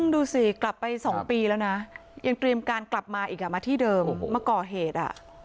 ดูสิกลับไป๒ปีแล้วนะยังเตรียมการกลับมาอีกมาที่เดิมมาก่อเหตุ